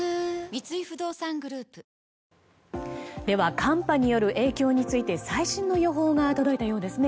寒波による影響について最新の予報が届いたようですね。